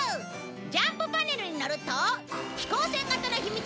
ジャンプパネルに乗ると飛行船型の秘密